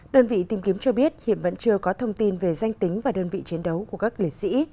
đơn vị tìm kiếm cho biết hiện vẫn chưa có thông tin về danh tính và đơn vị chiến đấu của các liệt sĩ